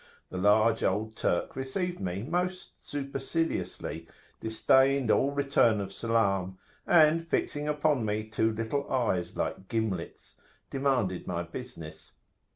The large old Turk received me most superciliously, disdained all return of salam, and, fixing upon me two little eyes like gimlets, demanded my business.